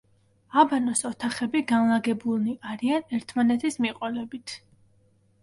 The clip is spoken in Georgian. აბანოს ოთახები განლაგებულნი არიან ერთმანეთის მიყოლებით.